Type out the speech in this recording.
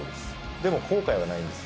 でも後悔はないんです。